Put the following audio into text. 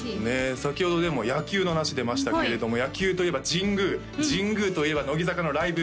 先ほどでも野球の話出ましたけれども野球といえば神宮神宮といえば乃木坂のライブ